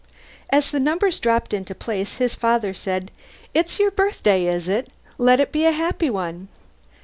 As the numbers dropped into place his father said, "It's your birthday, is it? Let it be a happy one!"